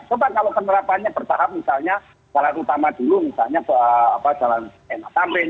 coba kalau penerapannya bertahap misalnya jalan utama dulu misalnya jalan enak tamrin